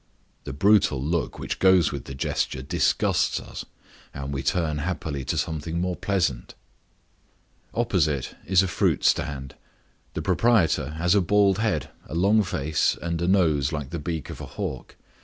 The brutal look which goes with the gesture disgusts us, and we turn happily to something more pleasant. Opposite us is a fruit stand. The proprietor has a bald head, a long face, and a nose like the beak of a hawk.